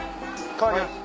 代わります